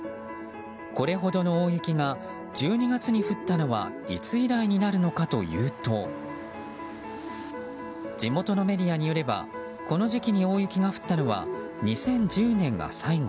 これほどの大雪が１２月に降ったのはいつ以来になるのかというと地元のメディアによればこの時期に大雪が降ったのは２０１０年が最後。